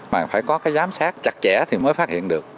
mà phải có cái giám sát chặt chẽ thì mới phát hiện được